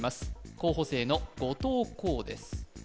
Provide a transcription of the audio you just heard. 候補生の後藤弘です